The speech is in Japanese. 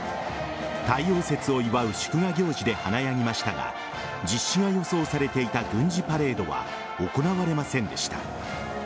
太陽節を祝う賀行事で華やぎましたが実施が予想されていた軍事パレードは行われませんでした。